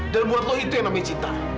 dan buat lo itu yang namanya cinta